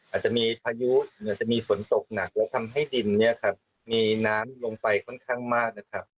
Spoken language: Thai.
อาจจะมีพายุอาจจะมีฝนตกหนักแล้วทำให้ดินมีน้ำลงไปค่อนข้างมาก